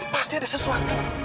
pasti ada sesuatu